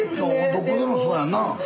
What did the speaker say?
どこでもそうやんな。